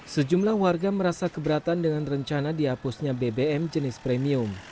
sejumlah warga merasa keberatan dengan rencana dihapusnya bbm jenis premium